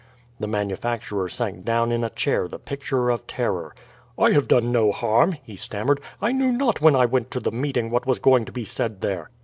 The manufacturer sank down in a chair the picture of terror. "I have done no harm," he stammered. "I knew not when I went to the meeting what was going to be said there."